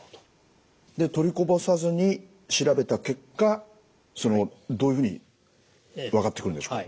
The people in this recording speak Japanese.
で取りこぼさずに調べた結果どういうふうに分かってくるんでしょうか？